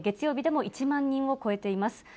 月曜日でも１万人を超えています。